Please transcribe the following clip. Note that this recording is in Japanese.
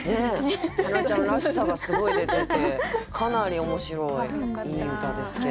花ちゃんらしさがすごい出ててかなり面白いいい歌ですけれども。